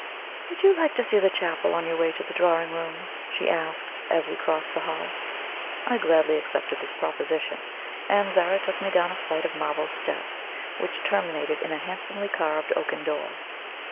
"Would you like to see the chapel on your way to the drawing room?" she asked, as we crossed the hall. I gladly accepted this proposition, and Zara took me down a flight of marble steps, which terminated in a handsomely carved oaken door.